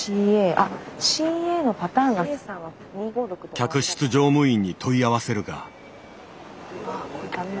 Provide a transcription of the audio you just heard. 客室乗務員に問い合わせるが。